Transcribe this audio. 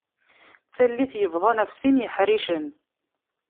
D tallit yebḍan ɣef sin yiḥricen.